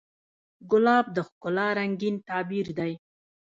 ګلاب د ښکلا رنګین تعبیر دی.